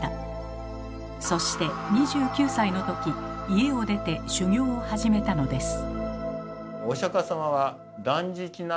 そして２９歳の時家を出て修行を始めたのです。